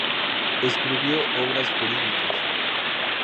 Escribió obras jurídicas.